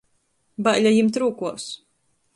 Baile jimt rūkuos.